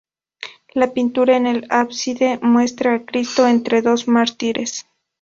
La pintura en el ábside muestra a Cristo entre dos mártires.